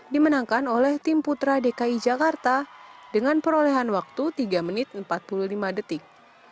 dimenangkan oleh tim putra dki jakarta dengan perolehan waktu tiga menit empat puluh lima detik